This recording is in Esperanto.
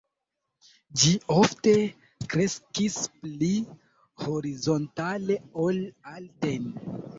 Ĝi ofte kreskis pli horizontale ol alten.